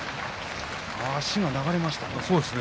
足が流れました。